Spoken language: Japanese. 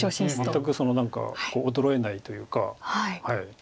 全く何か衰えないというか。